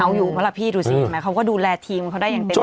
เอาอยู่ไหมล่ะพี่ดูสิเห็นไหมเขาก็ดูแลทีมเขาได้อย่างเต็ม